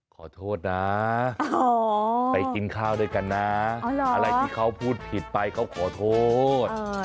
ขอโทษนะไปกินข้าวด้วยกันนะอะไรที่เขาพูดผิดไปเขาขอโทษ